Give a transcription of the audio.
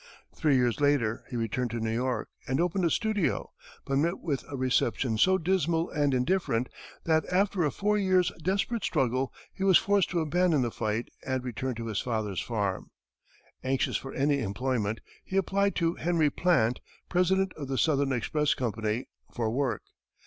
Three years later he returned to New York, and opened a studio, but met with a reception so dismal and indifferent that, after a four years' desperate struggle, he was forced to abandon the fight and return to his father's farm. Anxious for any employment, he applied to Henry Plant, President of the Southern Express Company, for work.